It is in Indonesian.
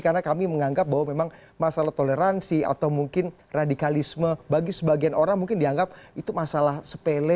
karena kami menganggap bahwa memang masalah toleransi atau mungkin radikalisme bagi sebagian orang mungkin dianggap itu masalah sepele